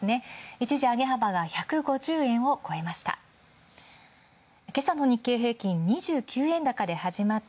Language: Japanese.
一時上げ幅が１５０円を超えました。